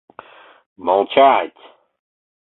Молча-ать!